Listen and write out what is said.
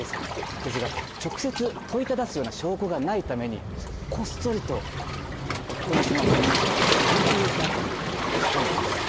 ですが直接問いただすような証拠がないためにこっそりと夫のスマホにＧＰＳアプリ仕込んだんです。